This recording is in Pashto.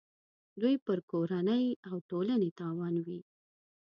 دوی پر کورنۍ او ټولنې تاوان وي.